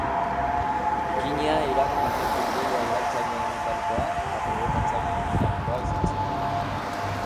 Bikinia iragan mendeko ideia iraultzaileenetarikoa eta probokatzaileenetarikoa izan zen.